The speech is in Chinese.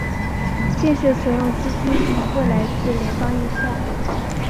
建设所用资金全部来自联邦预算。